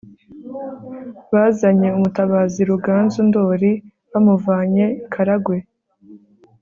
bazanye umutabazi ruganzu ndoli bamuvanye i karagwe